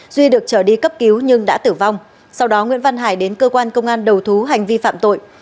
duy được trở đi cấp cứu nhưng đã tử vong sau đó nguyễn văn hải đến cơ quan công an đầu thú hành vi phạm tội